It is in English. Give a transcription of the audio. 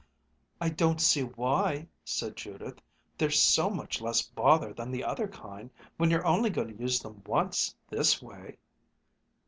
"I don't see why," said Judith. "They're so much less bother than the other kind when you're only going to use them once, this way."